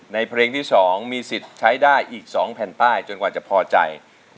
เพลงที่๒มีสิทธิ์ใช้ได้อีก๒แผ่นป้ายจนกว่าจะพอใจ